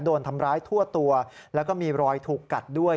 โดนทำร้ายทั่วตัวแล้วก็มีรอยถูกกัดด้วย